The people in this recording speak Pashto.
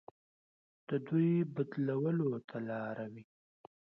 د دوی بدلولو ته لاره وي.